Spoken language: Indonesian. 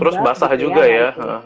terus basah juga ya